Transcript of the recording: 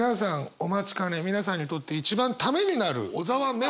お待ちかね皆さんにとって一番ためになる小沢メモ。